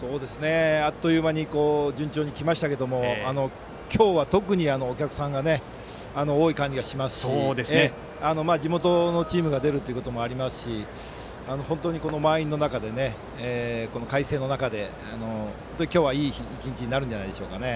あっという間に順調にきましたけど今日は特にお客さんが多い感じがしますし地元のチームが出るというのもありますし本当に満員の中で快晴の中で本当に今日はいい一日になるんじゃないでしょうか。